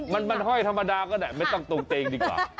มันห้อยธรรมดาก็ได้ไม่ต้องตรงเตงดีกว่า